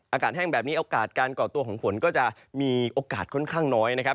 อากาศแห้งแบบนี้โอกาสการก่อตัวของฝนก็จะมีโอกาสค่อนข้างน้อยนะครับ